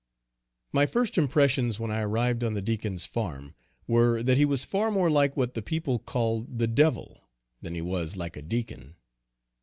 _ My first impressions when I arrived on the Deacon's farm, were that he was far more like what the people call the devil, than he was like a deacon.